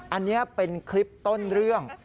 อันนี้เป็นคลิปต้นเรื่อง